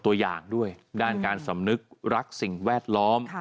ตัวอย่างด้วยด้านการสำนึกรักสิ่งแวดล้อม